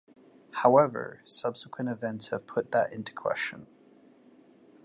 However, subsequent events have put that into question.